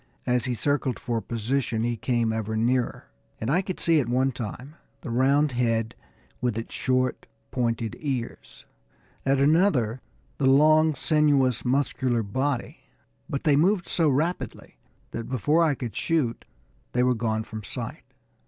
As he circled for position he came ever nearer, and I could see at one time the round head, with its short, pointed ears; at another the long, sinuous, muscular body; but they moved so rapidly that before I could shoot they were gone from sight.